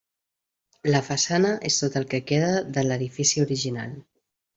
La façana és tot el que queda de l'edifici original.